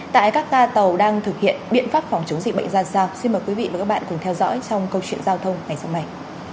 tại các ca tàu đang thực hiện biện pháp phòng chống dịch bệnh ra sao xin mời quý vị và các bạn cùng theo dõi trong câu chuyện giao thông ngày sau này